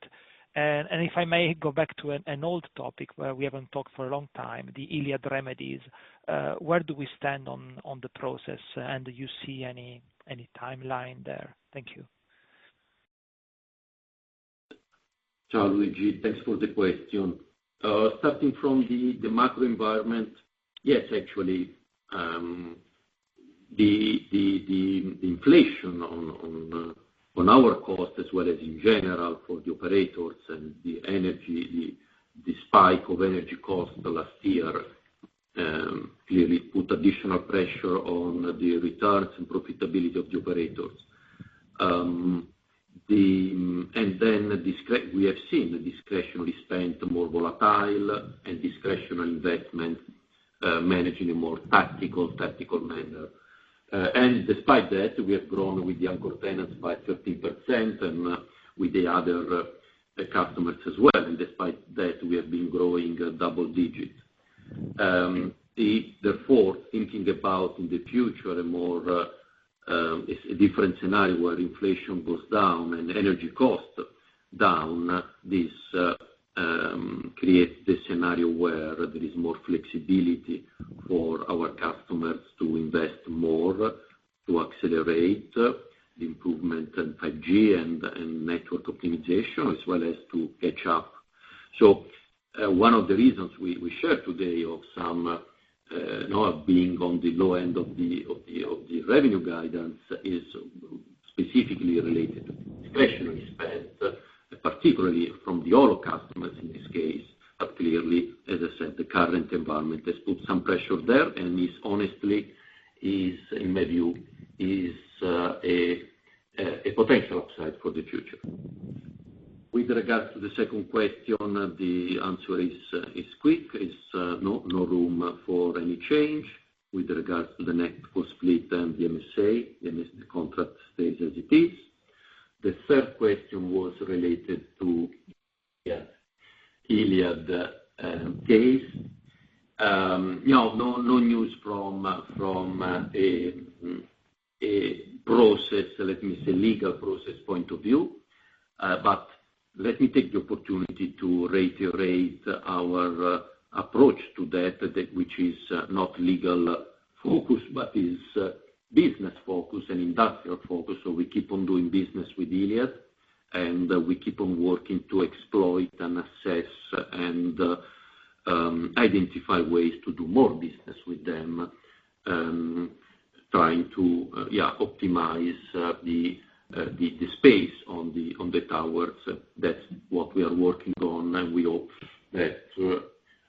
And if I may go back to an old topic where we haven't talked for a long time, the Iliad remedies. Where do we stand on the process, and do you see any timeline there? Thank you. Gianluigi, thanks for the question. Starting from the macro environment, yes, actually, the inflation on our cost, as well as in general for the operators and the energy, the spike of energy costs in the last year, clearly put additional pressure on the returns and profitability of the operators. And then we have seen the discretionary spend more volatile and discretionary investment managing a more tactical manner. And despite that, we have grown with the anchor tenants by 30%, and with the other customers as well. And despite that, we have been growing double digits. Therefore, thinking about in the future, a more, a different scenario where inflation goes down and energy costs down, this creates the scenario where there is more flexibility for our customers to invest more, to accelerate the improvement in 5G and network optimization, as well as to catch up. So, one of the reasons we share today of some, you know, being on the low end of the revenue guidance is specifically related to discretionary spend, particularly from the old customers in this case, but clearly, as I said, the current environment has put some pressure there, and this, honestly, is, in my view, a potential upside for the future. With regards to the second question, the answer is quick, no room for any change. With regards to the NetCo split and the MSA, the contract stays as it is. The third question was related to Iliad case. No news from a process, let me say, legal process point of view. But let me take the opportunity to reiterate our approach to that which is not legal focus, but is business focus and industrial focus. So we keep on doing business with Iliad, and we keep on working to exploit and assess and identify ways to do more business with them, trying to optimize the space on the towers. That's what we are working on, and we hope that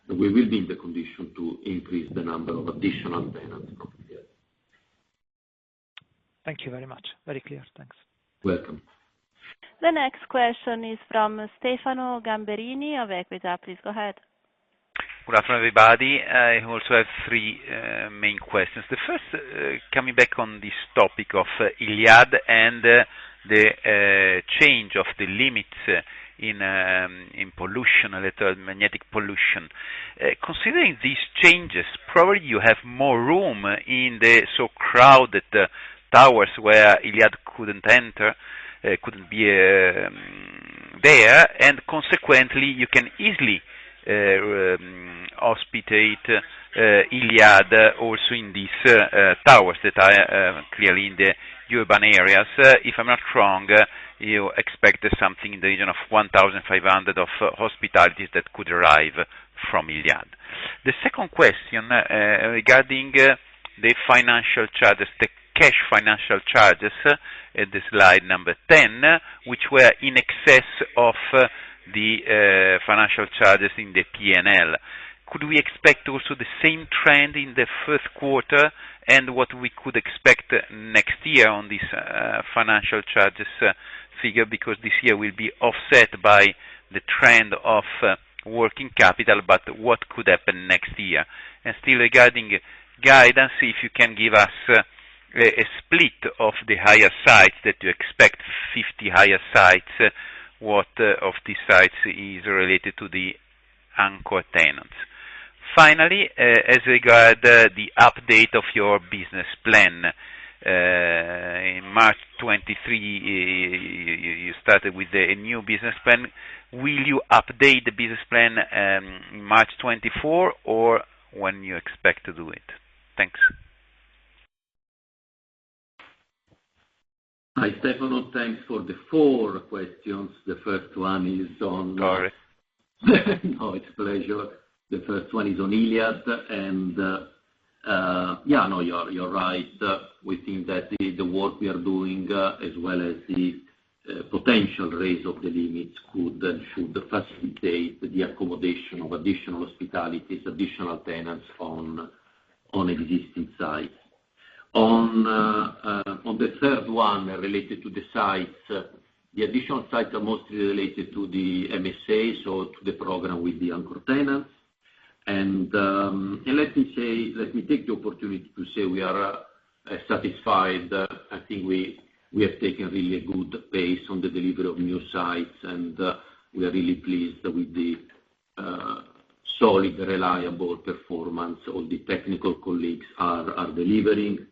we will be in the condition to increase the number of additional tenants. Thank you very much. Very clear. Thanks. Welcome. The next question is from Stefano Gamberini of Equita. Please, go ahead. Good afternoon, everybody. I also have three main questions. The first, coming back on this topic of Iliad and the change of the limits in electromagnetic pollution. Considering these changes, probably you have more room in the so crowded towers where Iliad couldn't enter, couldn't be there, and consequently, you can easily host Iliad also in these towers that are clearly in the urban areas. If I'm not wrong, you expect something in the region of 1,500 hospitalities that could arrive from Iliad. The second question, regarding the financial charges, the cash financial charges at the slide number 10, which were in excess of the financial charges in the P&L. Could we expect also the same trend in the first quarter, and what we could expect next year on this financial charges figure? Because this year will be offset by the trend of working capital, but what could happen next year? And still regarding guidance, if you can give us a split of the higher sites that you expect, 50 higher sites, what of these sites is related to the anchor tenants? Finally, as regards the update of your business plan, in March 2023, you started with a new business plan. Will you update the business plan in March 2024, or when you expect to do it? Thanks. Hi, Stefano. Thanks for the four questions. The first one is on- Sorry. No, it's a pleasure. The first one is on Iliad, and, yeah, no, you're right. We think that the work we are doing, as well as the potential raise of the limits could and should facilitate the accommodation of additional hospitalities, additional tenants on existing sites. On the third one related to the sites, the additional sites are mostly related to the MSA, so to the program with the anchor tenants. And let me say, let me take the opportunity to say we are satisfied. I think we have taken really a good pace on the delivery of new sites, and we are really pleased with the solid, reliable performance all the technical colleagues are delivering.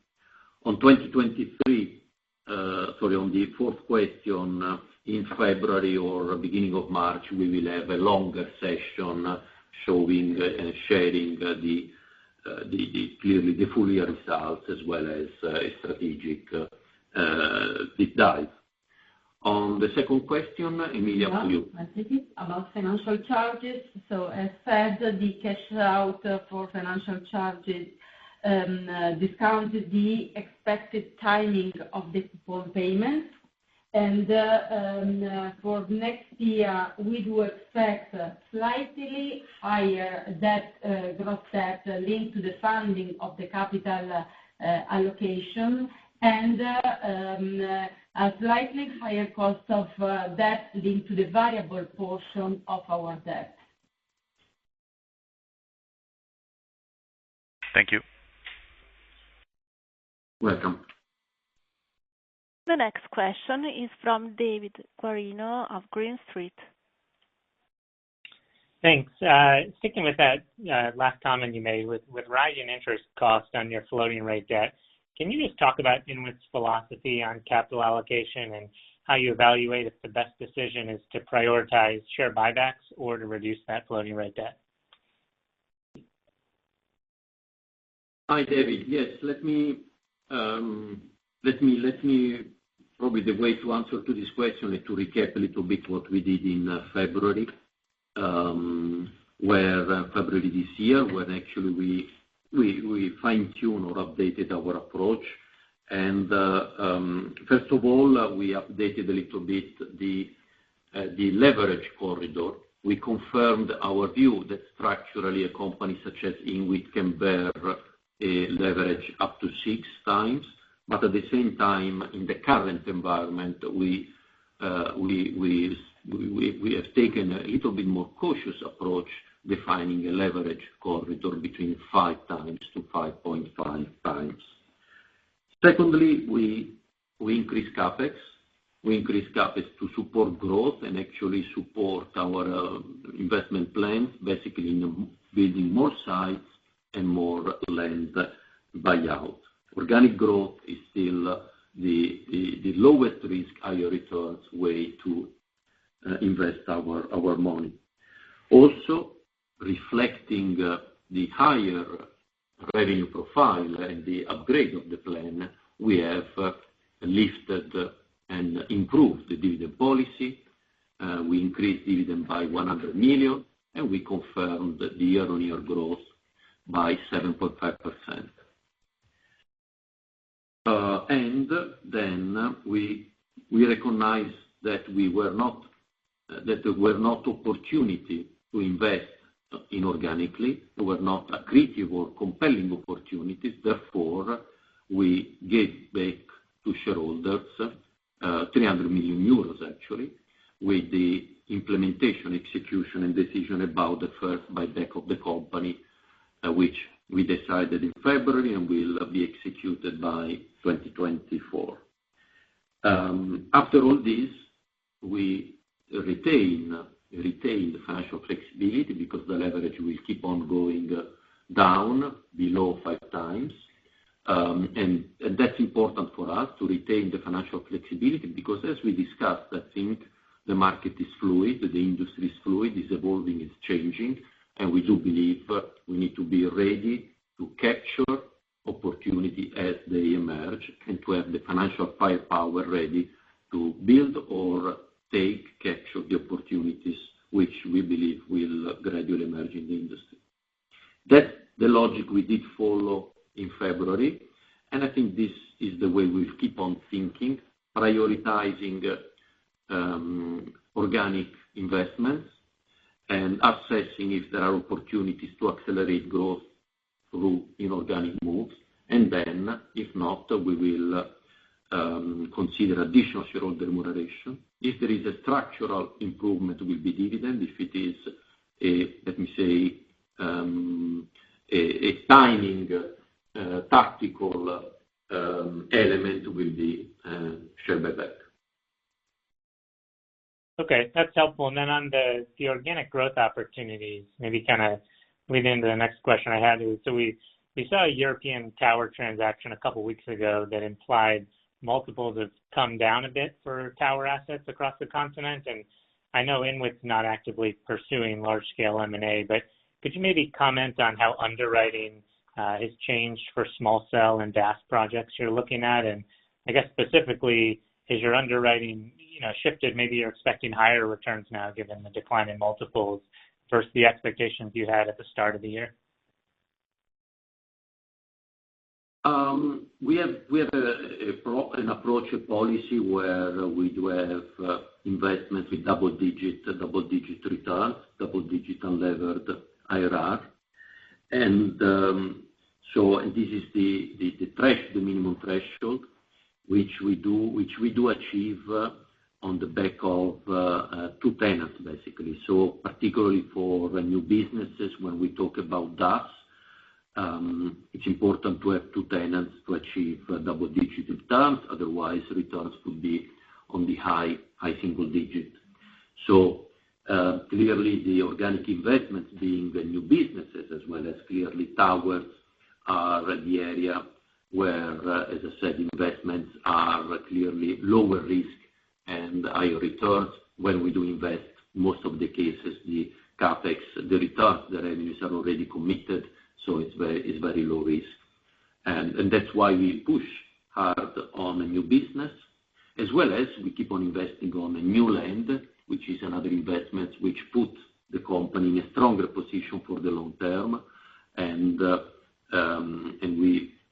Sorry, on the fourth question, in February or beginning of March, we will have a longer session showing and sharing clearly the full year results as well as a strategic deep dive. On the second question, Emilia, to you. I take it. About financial charges. So as said, the cash out for financial charges, discount the expected timing of the full payment. And, for the next year, we do expect slightly higher debt, gross debt linked to the funding of the capital, allocation, and, a slightly higher cost of, debt linked to the variable portion of our debt. Thank you. Welcome. The next question is from David Guarino of Green Street. Thanks. Sticking with that last comment you made, with rising interest costs on your floating rate debt, can you just talk about INWIT's philosophy on capital allocation and how you evaluate if the best decision is to prioritize share buybacks or to reduce that floating rate debt? Hi, David. Yes, let me. Probably the way to answer to this question is to recap a little bit what we did in February this year, when actually we fine-tune or updated our approach. First of all, we updated a little bit the leverage corridor. We confirmed our view that structurally, a company such as INWIT can bear a leverage up to 6x, but at the same time, in the current environment, we have taken a little bit more cautious approach, defining a leverage corridor between 5x-5.5x. Secondly, we increased CapEx. We increased CapEx to support growth and actually support our investment plans, basically in building more sites and more land buyout. Organic growth is still the lowest risk, higher returns way to invest our money. Also, reflecting the higher revenue profile and the upgrade of the plan, we have lifted and improved the dividend policy. We increased dividend by 100 million, and we confirmed the year-on-year growth by 7.5%. And then we recognize that there were not opportunity to invest inorganically. We were not accretive or compelling opportunities, therefore, we gave back to shareholders 300 million euros, actually, with the implementation, execution, and decision about the first buyback of the company, which we decided in February and will be executed by 2024. After all this, we retain the financial flexibility because the leverage will keep on going down below 5x. That's important for us to retain the financial flexibility, because as we discussed, I think the market is fluid, the industry is fluid, is evolving, it's changing, and we do believe, we need to be ready to capture opportunity as they emerge, and to have the financial firepower ready to build or take capture of the opportunities which we believe will gradually emerge in the industry. That's the logic we did follow in February, and I think this is the way we keep on thinking, prioritizing, organic investments and assessing if there are opportunities to accelerate growth through inorganic moves. And then, if not, we will, consider additional shareholder remuneration. If there is a structural improvement, will be dividend. If it is a, let me say, a timing, tactical, element will be, share buyback. Okay, that's helpful. And then on the organic growth opportunities, maybe kind of lead into the next question I had is: so we saw a European tower transaction a couple of weeks ago that implied multiples have come down a bit for tower assets across the continent. And I know INWIT's not actively pursuing large-scale M&A, but could you maybe comment on how underwriting has changed for small cell and DAS projects you're looking at? And I guess specifically, has your underwriting, you know, shifted, maybe you're expecting higher returns now, given the decline in multiples versus the expectations you had at the start of the year? We have an approach, a policy where we have investments with double-digit returns, double-digit unlevered IRR. And this is the minimum threshold which we achieve on the back of two tenants, basically. So particularly for the new businesses, when we talk about DAS, it's important to have two tenants to achieve double-digit terms. Otherwise, returns would be on the high single digit. So clearly, the organic investments being the new businesses, as well as clearly towers, are the area where, as I said, investments are clearly lower risk and higher returns. When we do invest, most of the cases, the CapEx, the returns, the revenues are already committed, so it's very low risk. And that's why we push hard on a new business, as well as we keep on investing on the new land, which is another investment, which puts the company in a stronger position for the long term. And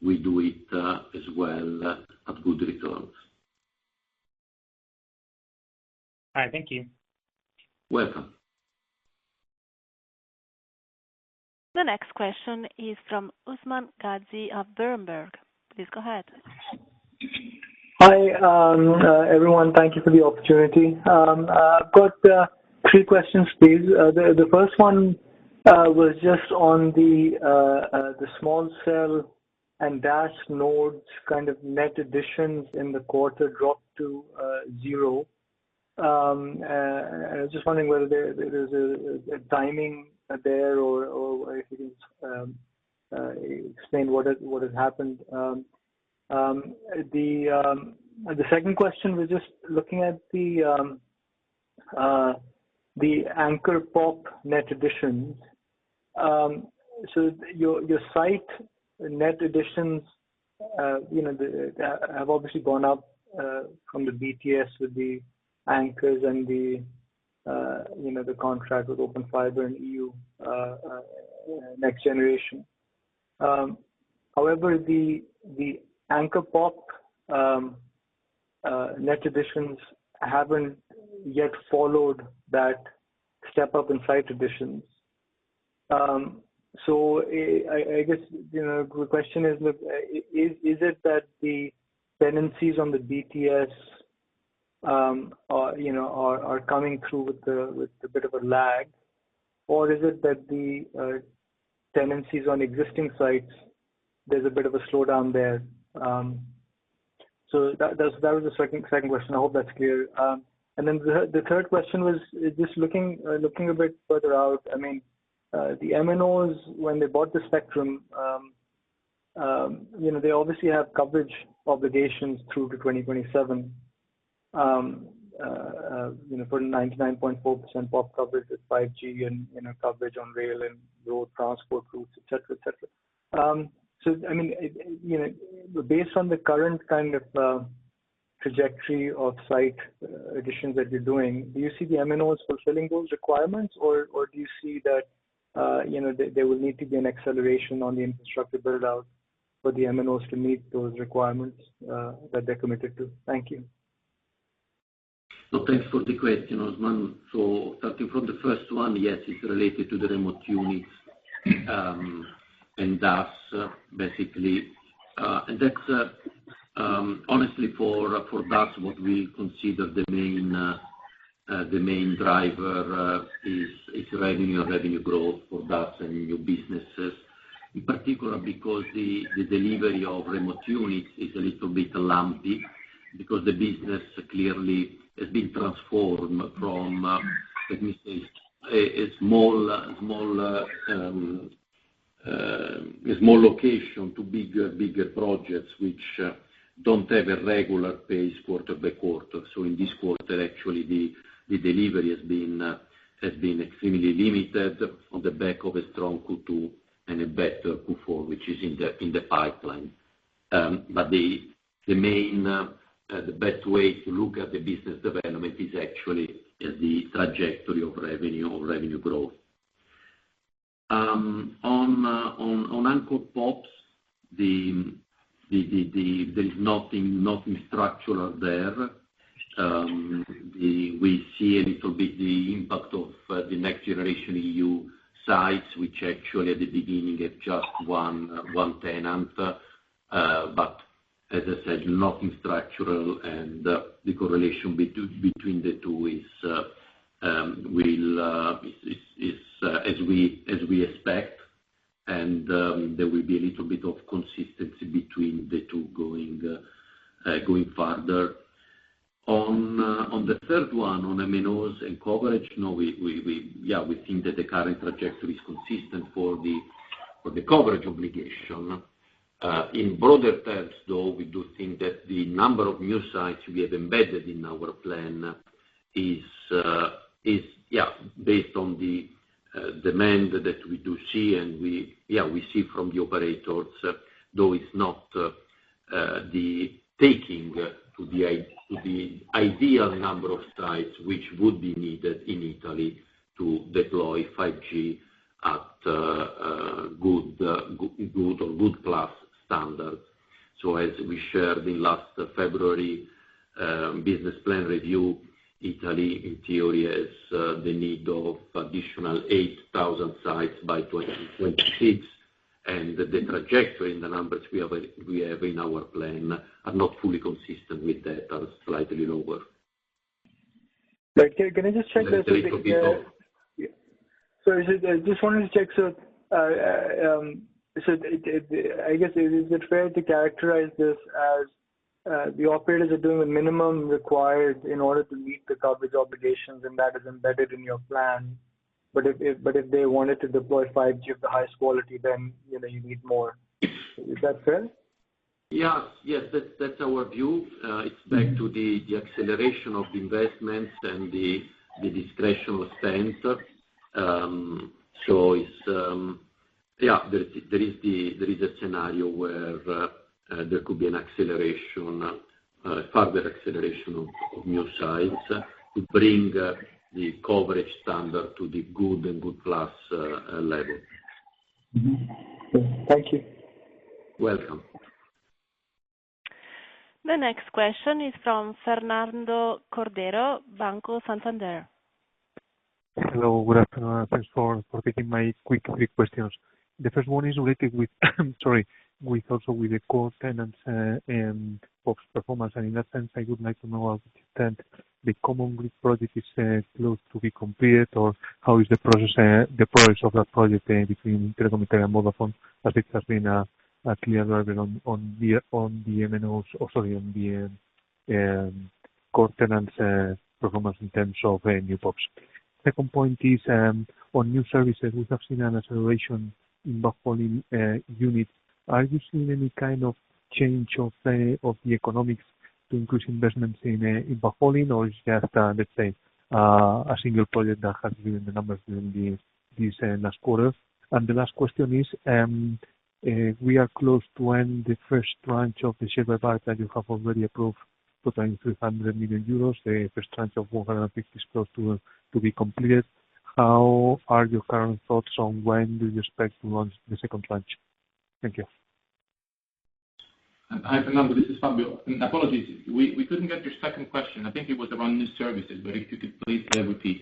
we do it as well at good returns. All right. Thank you. Welcome. The next question is from Usman Ghazi of Berenberg. Please go ahead. Hi, everyone. Thank you for the opportunity. I've got three questions, please. The first one was just on the small cell and DAS nodes, kind of net additions in the quarter dropped to zero. I was just wondering whether there's a timing there, or if you can explain what has happened. The second question was just looking at the anchor POP net additions. So your site net additions, you know, the—have obviously gone up from the BTS with the anchors and the, you know, the contract with Open Fiber and Next Generation EU. However, the anchor POP net additions haven't yet followed that step up in site additions. So I guess, you know, the question is, look, is it that the tenancies on the BTS are, you know, coming through with a bit of a lag? Or is it that the tenancies on existing sites, there's a bit of a slowdown there? So that, that's was the second question. I hope that's clear. And then the third question was, is just looking a bit further out, I mean, the MNOs, when they bought the spectrum, you know, they obviously have coverage obligations through to 2027. You know, for 99.4% pop coverage with 5G and, you know, coverage on rail and road transport routes, et cetera, et cetera. So, I mean, you know, based on the current kind of trajectory of site additions that you're doing, do you see the MNOs fulfilling those requirements? Or do you see that, you know, there will need to be an acceleration on the infrastructure build out for the MNOs to meet those requirements that they're committed to? Thank you. So thanks for the question, Usman. So starting from the first one, yes, it's related to the remote units and DAS, basically. And that's, honestly, for DAS, what we consider the main driver is revenue, revenue growth for DAS and new businesses. In particular, because the delivery of remote units is a little bit lumpy, because the business clearly has been transformed from, let me say, a small location to bigger projects, which don't have a regular pace quarter by quarter. So in this quarter, actually, the delivery has been extremely limited on the back of a strong Q2 and a better Q4, which is in the pipeline. But the best way to look at the business development is actually the trajectory of revenue growth. On anchor POPs, there is nothing structural there. We see a little bit the impact of the Next Generation EU sites, which actually, at the beginning, have just one tenant. But as I said, nothing structural, and the correlation between the two is as we expect. There will be a little bit of consistency between the two going further. On the third one, on MNOs and coverage, no, yeah, we think that the current trajectory is consistent for the coverage obligation. In broader terms, though, we do think that the number of new sites we have embedded in our plan is, yeah, based on the demand that we do see and we, yeah, we see from the operators, though it's not taking it to the ideal number of sites, which would be needed in Italy to deploy 5G at good or good plus standards. So as we shared in last February, business plan review, Italy in theory has the need of additional 8,000 sites by 2026, and the trajectory and the numbers we have in our plan are not fully consistent with that, are slightly lower. Right. Can I just check that with the- Sorry, go ahead. Yeah. So I just wanted to check, so it, I guess, is it fair to characterize this as the operators are doing the minimum required in order to meet the coverage obligations, and that is embedded in your plan? But if they wanted to deploy 5G of the highest quality, then, you know, you need more. Is that fair? Yeah. Yes, that's, that's our view. It's back to the, the acceleration of the investments and the, the discretionary spend. So it's... Yeah, there is, there is the, there is a scenario where there could be an acceleration, further acceleration of, of new sites to bring the coverage standard to the good and good plus, level. Mm-hmm. Thank you. Welcome. The next question is from Fernando Cordero, Banco Santander. Hello, good afternoon, and thanks for taking my quick three questions. The first one is related with, sorry, also with the core tenants and POPs performance. And in that sense, I would like to know, extent the Common Grid project is close to be completed, or how is the process, the progress of that project, between Telecom Italia and Vodafone, as it has been a clear driver on the MNOs, also on the core tenants performance in terms of new POPs. Second point is on new services, we have seen an acceleration in backhauling units. Are you seeing any kind of change of the economics to increase investments in backhauling, or it's just, let's say, a single project that has given the numbers in this last quarter? The last question is, we are close to when the first tranche of the share buyback that you have already approved, totaling 300 million euros, the first tranche of 150 million is close to be completed. How are your current thoughts on when do you expect to launch the second tranche? Thank you. Hi, Fernando, this is Fabio. Apologies, we couldn't get your second question. I think it was around new services, but if you could please repeat.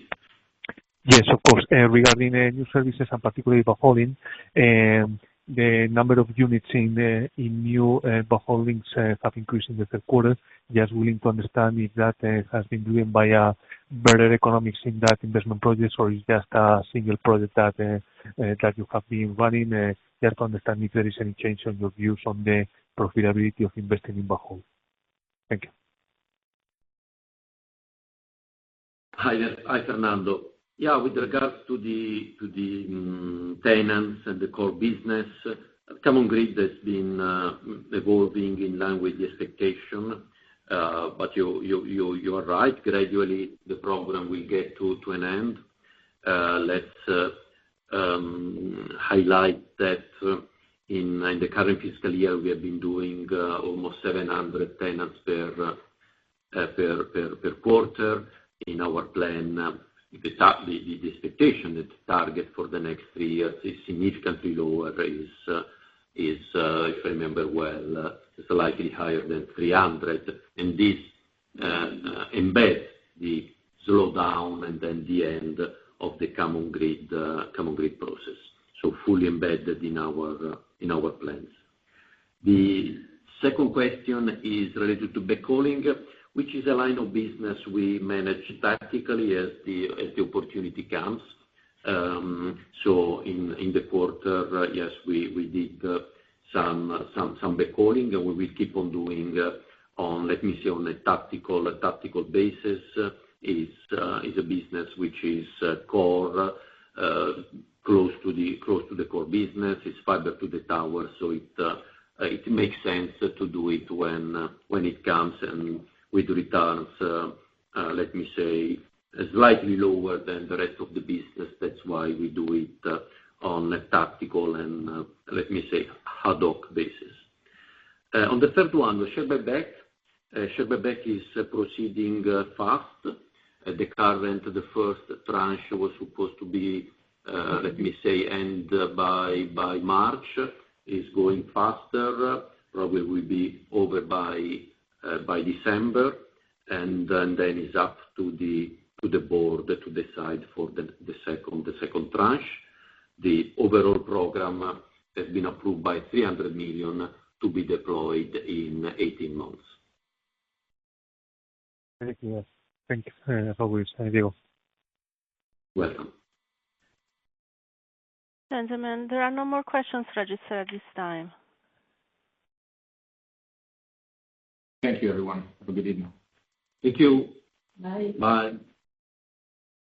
Yes, of course. Regarding new services and particularly backhauling, the number of units in new backhauling have increased in the third quarter. Just willing to understand if that has been driven by a better economics in that investment projects, or it's just a single project that you have been running, just to understand if there is any change on your views on the profitability of investing in backhaul. Thank you. Hi there. Hi, Fernando. Yeah, with regards to the tenants and the core business, Common Grid has been evolving in line with the expectation. But you are right, gradually, the problem will get to an end. Let's highlight that in the current fiscal year, we have been doing almost 700 tenants per quarter. In our plan, the expectation, the target for the next three years is significantly lower, is, if I remember well, slightly higher than 300. And this embed the slowdown and then the end of the Common Grid process. So fully embedded in our plans. The second question is related to backhauling, which is a line of business we manage tactically as the opportunity comes. In the quarter, yes, we did some backhauling, and we will keep on doing on a tactical basis. It's a business which is core close to the core business. It's fiber to the tower, so it makes sense to do it when it comes and with returns let me say slightly lower than the rest of the business. That's why we do it on a tactical and let me say ad hoc basis. On the third one, the share buyback. Share buyback is proceeding fast. At the current, the first tranche was supposed to be, let me say, end by, by March. It's going faster. Probably will be over by, by December, and then, then it's up to the, to the board to decide for the, the second, the second tranche. The overall program has been approved by 300 million to be deployed in 18 months. Thank you. Thank you. You're welcome. Gentlemen, there are no more questions registered at this time. Thank you, everyone. Have a good evening. Thank you. Bye. Bye.